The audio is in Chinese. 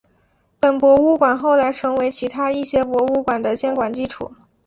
本博物馆后来成为其他一些博物馆的建馆基础。